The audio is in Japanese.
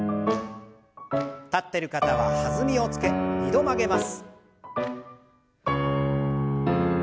立ってる方は弾みをつけ２度曲げます。